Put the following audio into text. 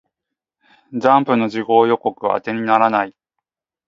ジャンプの次号予告は当てにならない